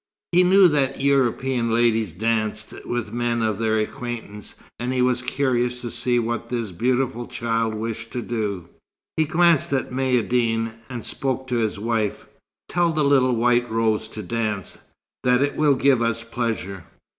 He knew that European ladies danced with men of their acquaintance, and he was curious to see what this beautiful child wished to do. He glanced at Maïeddine, and spoke to his wife: "Tell the little White Rose to dance; that it will give us pleasure."